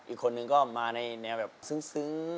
อีกคนนึงก็มาในแนวแบบซึ้ง